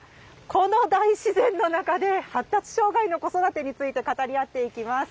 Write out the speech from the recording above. この大自然の中で発達障害の子育てについて語り合っていきます。